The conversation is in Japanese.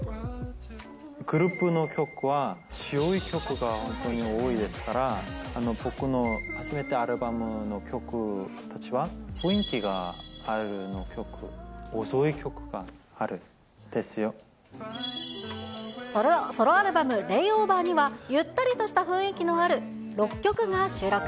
グループの曲は、強い曲が本当に多いですから、僕の初めてのアルバムの曲たちは、雰囲気があるの曲、遅い曲があるソロアルバム、レイオーバーにはゆったりとした雰囲気のある６曲が収録。